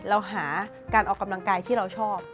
เราหาการออกกำลังกายที่เราชอบ